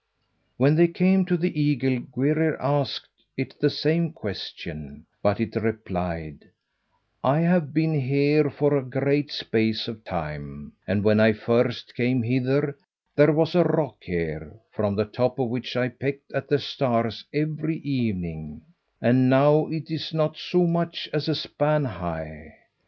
When they came to the eagle, Gwrhyr asked it the same question; but it replied, "I have been here for a great space of time, and when I first came hither there was a rock here, from the top of which I pecked at the stars every evening, and now it is not so much as a span high.